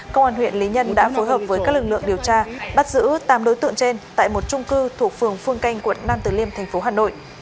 công an huyện lý nhân đã phối hợp với các lực lượng điều tra bắt giữ tám đối tượng trên tại một trung cư thuộc phường phương canh quận nam từ liêm thành phố hà nội